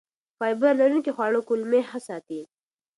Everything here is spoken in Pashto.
فایبر لرونکي خواړه کولمې ښه ساتي.